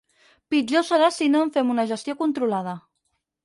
Pitjor serà si no en fem una gestió controlada.